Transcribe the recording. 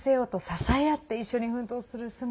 支え合って一緒に奮闘する姿